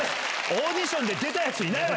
オーディションで出たヤツいないわ！